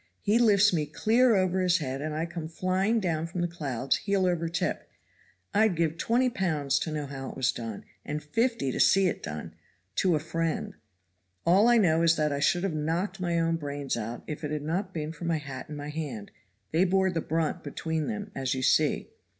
He lifts me clear over his head and I come flying down from the clouds heel over tip. I'd give twenty pounds to know how it was done, and fifty to see it done to a friend, All I know is that I should have knocked my own brains out if it had not been for my hat and my hand they bore the brunt between them, as you see."